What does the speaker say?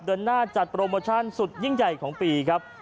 เดินหน้าจัดโปรโมชั่นสุดยิ่งใหญ่ของปีครับ